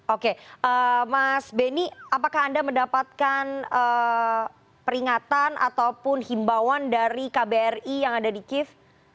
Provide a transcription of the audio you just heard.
oke mas benny apakah anda mendapatkan peringatan ataupun himbauan dari kbri yang ada di kiev